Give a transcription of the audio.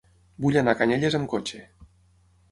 Vull anar a Canyelles amb cotxe.